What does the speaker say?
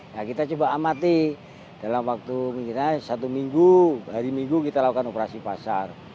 nah kita coba amati dalam waktu misalnya satu minggu hari minggu kita lakukan operasi pasar